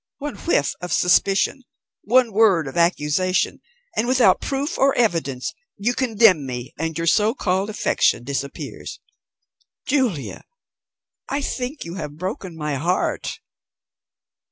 One whiff of suspicion, one word of accusation, and without proof or evidence you condemn me, and your so called affection disappears. Julia, I think you have broken my heart."